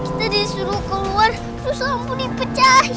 kita disuruh keluar susah mampu dipecahin